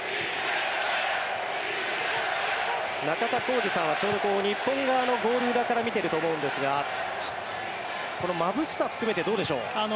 中田浩二さんはちょうど日本側のゴール裏から見ていると思うんですがこのまぶしさ含めてどうでしょう？